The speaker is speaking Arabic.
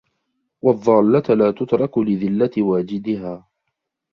وَالضَّالَّةَ لَا تُتْرَكُ لِذِلَّةِ وَاجِدِهَا